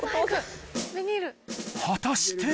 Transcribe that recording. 果たして？